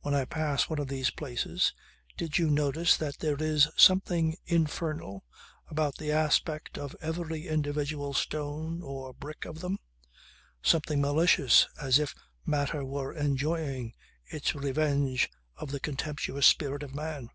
When I pass one of these places ... did you notice that there is something infernal about the aspect of every individual stone or brick of them, something malicious as if matter were enjoying its revenge of the contemptuous spirit of man.